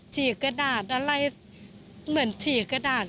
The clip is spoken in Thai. ฉีกกระดาษอะไรเหมือนฉีกกระดาษ